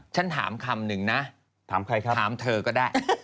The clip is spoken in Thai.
ฉันถามคำหนึ่งนะถามเธอก็ได้ถามใครครับ